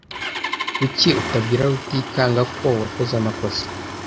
Kuki utabwira Rutikanga ko wakoze amakosa?